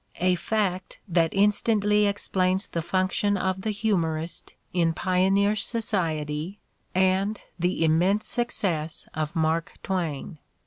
— a fact that instantly explains the function of the humorist in pioneer society and the immense success of Mark Twain.